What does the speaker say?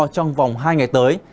trong vòng hai ngày tới